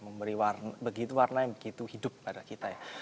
memberi warna yang begitu hidup pada kita ya